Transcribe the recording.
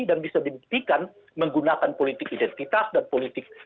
dan bisa dibuktikan menggunakan politik identitas dan politik